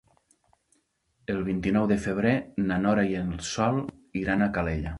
El vint-i-nou de febrer na Nora i en Sol iran a Calella.